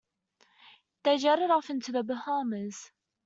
They jetted off to the Bahamas.